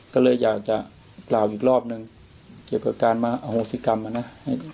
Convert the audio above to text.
ก็เลยอยากจะกล่าวอีกรอบนึงเกี่ยวกับการมาอโหสิกรรมนะ